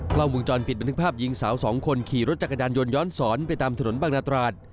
กล้องวงจรปิดบันทึกภาพหญิงสาวสองคนขี่รถจักรยานยนต์ย้อนสอนไปตามถนนบางนาตราด